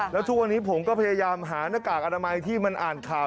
แล้วทุกวันนี้ผมก็พยายามหาหน้ากากอนามัยที่มันอ่านข่าว